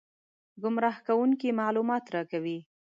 ګمراه کوونکي معلومات راکوي.